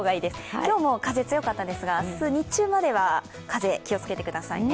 今日も風、強かったんですが、明日、日中までは風、気を付けてくださいね。